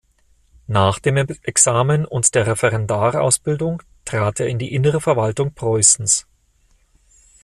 Nach den Examen und der Referendarausbildung trat er in die innere Verwaltung Preußens.